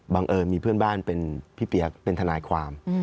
เอิญมีเพื่อนบ้านเป็นพี่เปี๊ยกเป็นทนายความ